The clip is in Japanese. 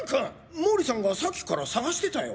毛利さんがさっきから捜してたよ。